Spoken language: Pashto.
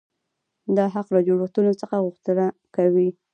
دا حق له جوړښتونو څخه غوښتنه کوي.